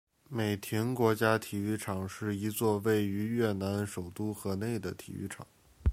美亭国家体育场是一座位于越南首都河内的体育场。